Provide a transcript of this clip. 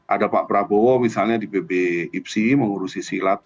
ada pak prabowo misalnya di bp ipsi mengurus silat